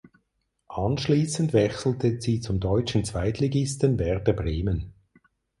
Anschließend wechselte sie zum deutschen Zweitligisten Werder Bremen.